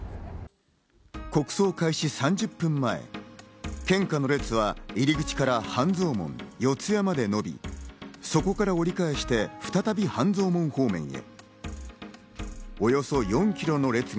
国葬開始３０分前、献花の列は入り口から半蔵門、四谷まで伸び、そこから折り返して、再び、半蔵門方面へ。